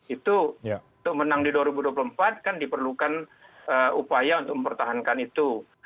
itu untuk menang di dua ribu dua puluh empat kan diperlukan upaya untuk mempertahankan itu